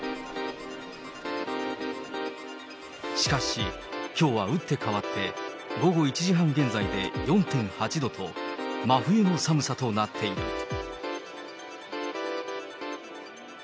しかし、きょうは打って変わって午後１時半現在で４．８度と、真冬の寒さとなっている。